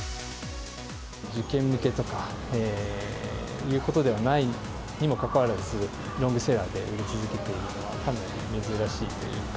受験向けということではないにもかかわらず、ロングセラーで売れ続けているのはかなり珍しいというか。